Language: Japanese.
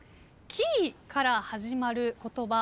「きい」から始まる言葉